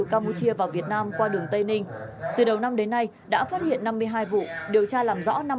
campuchia vào việt nam qua đường tây ninh từ đầu năm đến nay đã phát hiện năm mươi hai vụ điều tra làm rõ năm mươi hai